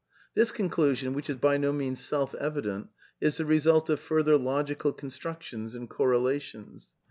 This conclusion, which is by no means self evident, is the result of further logical constructions and correlations.